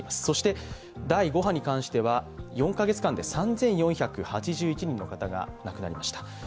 そして第５波に関しては４カ月間で３４８１人の方が亡くなりました。